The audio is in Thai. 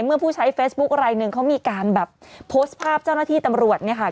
เมื่อผู้ใช้เฟซบุ๊คไลนึงเขามีการแบบโพสต์ภาพเจ้าหน้าที่ตำรวจเนี่ยค่ะ